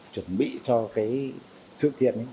chuẩn bị cho cái sự kiện ấy